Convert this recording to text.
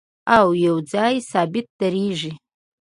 او یو ځای ثابت درېږي